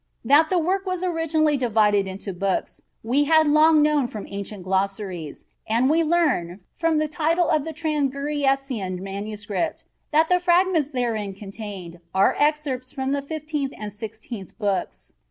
That the work was originally divided into books, we had long known from ancient glossaries, and we learn, from the title of the Traguriensian manuscript, that the fragments therein contained are excerpts from the fifteenth and sixteenth books.